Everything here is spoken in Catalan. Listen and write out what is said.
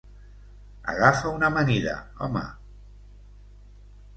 Agafa una amanida, home.